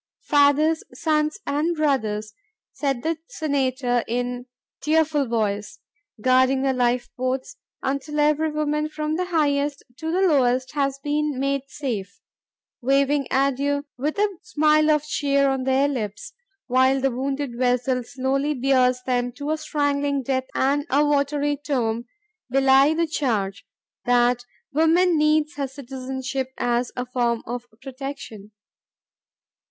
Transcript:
"Fathers, sons, and brothers," said the Senator in tearful voice, "guarding the lifeboats until every woman from the highest to the lowest has been made safe, waving adieu with a smile of cheer on their lips, while the wounded vessel slowly bears them to a strangling death and a watery tomb, belie the charge .." that woman needs her citizenship as a form of protection.